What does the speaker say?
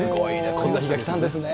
こんな日がきたんですね。